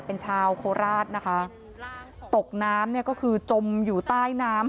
เป็นชาวโคราชนะคะตกน้ำเนี่ยก็คือจมอยู่ใต้น้ำ